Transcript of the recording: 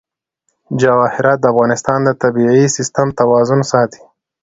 جواهرات د افغانستان د طبعي سیسټم توازن ساتي.